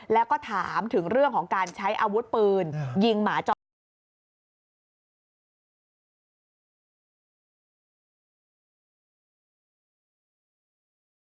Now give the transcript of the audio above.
แล้วก็ถามถึงเรื่องของการใช้อาวุธปืนยิงหมาจ้อง